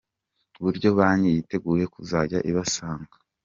buryo banki yiteguye kuzajya ibasanga.